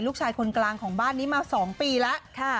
ลูกชายคนกลางของบ้านนี้มา๒ปีแล้ว